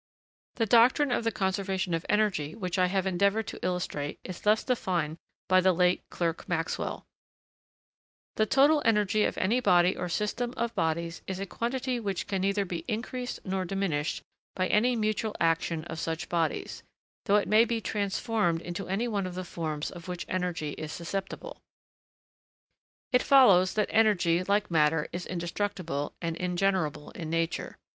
The doctrine of the conservation of energy which I have endeavored to illustrate is thus defined by the late Clerk Maxwell: 'The total energy of any body or system of bodies is a quantity which can neither be increased nor diminished by any mutual action of such bodies, though it may be transformed into any one of the forms of which energy is susceptible.' It follows that energy, like matter, is indestructible and ingenerable in nature.